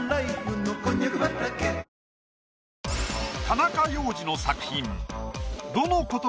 田中要次の作品。